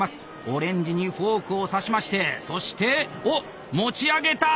オレンジにフォークを刺しましてそしてお持ち上げた！